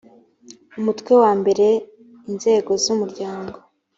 umutwe wa mbere inzego z umuryango